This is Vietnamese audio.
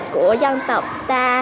của dân tộc ta